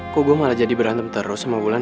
kok gue malah jadi berantem terus sama wulan